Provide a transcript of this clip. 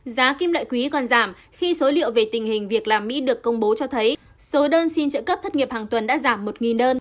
giá kim loại quý còn giảm khi số liệu về tình hình việc làm mỹ được công bố cho thấy số đơn xin trợ cấp thất nghiệp hàng tuần đã giảm một đơn